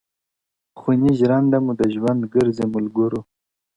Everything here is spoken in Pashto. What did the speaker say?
• خوني ژرنده مو د ژوند ګرځي ملګرو..